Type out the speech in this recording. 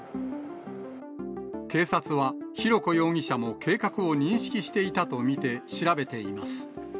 警察は、浩子容疑者も計画を認識していたと見て、調べています。